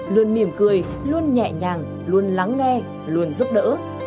luôn mỉm cười luôn nhẹ nhàng luôn lắng nghe luôn giúp đỡ